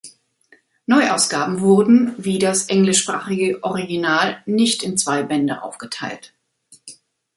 Neuausgaben wurden, wie das englischsprachige Original, nicht in zwei Bände aufgeteilt.